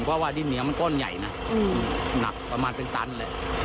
เพราะว่าดินเหนียวมันก้อนใหญ่นะหนักประมาณเป็นตันแหละ